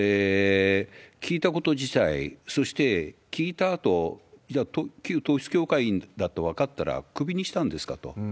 聞いたこと自体、そして、聞いたあと、じゃあ、旧統一教会だと分かったら首にしたんですか？と。